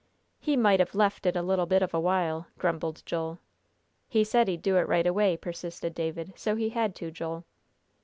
"He might have left it a little bit of a while," grumbled Joel. "He said he'd do it right away," persisted David, "so he had to, Joel."